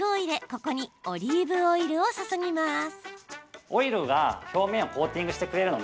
ここにオリーブオイルを注ぎます。